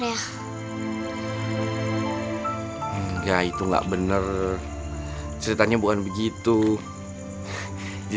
gak gak itu uang masa depannya buat tufa